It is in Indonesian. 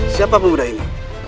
siapa pemuda ini